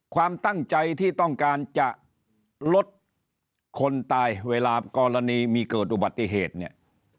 ความตั้งใจที่ต้องการจะลดคนตายเวลากรณีมีเกิดอุบัติเหตุเนี่ย